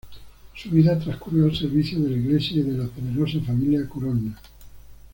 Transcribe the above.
Su vida transcurrió al servicio de la Iglesia y de la poderosa familia Colonna.